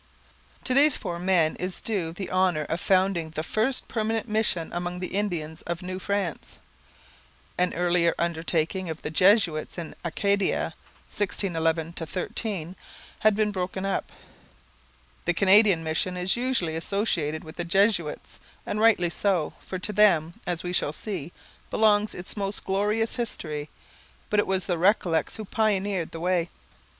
To these four men is due the honour of founding the first permanent mission among the Indians of New France. An earlier undertaking of the Jesuits in Acadia (1611 13) had been broken up. The Canadian mission is usually associated with the Jesuits, and rightly so, for to them, as we shall see, belongs its most glorious history; but it was the Recollets who pioneered the way.